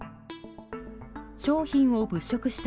商品を物色した